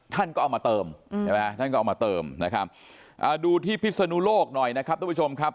ท่านก็เอามาเติมดูที่พิษณุโลกหน่อยนะครับท่านผู้ชมครับ